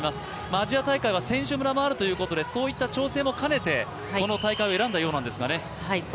アジア大会は選手村もあるということでそういった調整も兼ねてこの大会を選んだようなんですがね。